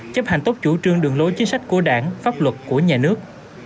chấp hành tốt chủ trương đường lối chính sách của đảng pháp luật của nhà nước